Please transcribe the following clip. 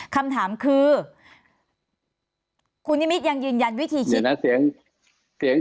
คำถามคือคุณอิมิตยังยืนยันวิธีคิด